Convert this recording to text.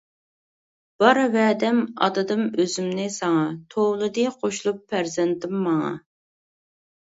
بار ۋەدەم ئاتىدىم ئۆزۈمنى ساڭا، توۋلىدى قوشۇلۇپ پەرزەنتىم ماڭا.